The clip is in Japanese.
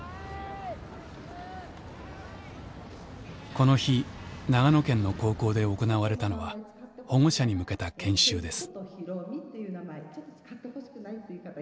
この日長野県の高校で行われたのは保護者に向けた研修です。